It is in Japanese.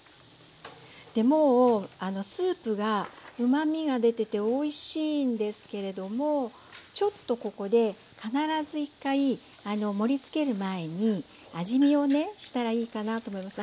でもうスープがうまみが出てておいしいんですけれどもちょっとここで必ず１回盛りつける前に味見をねしたらいいかなと思います。